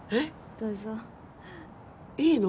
どうぞいいの？